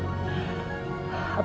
dia masih menangis